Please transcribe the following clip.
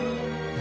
何？